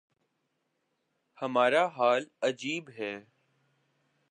ہمارا حال عجیب ہے۔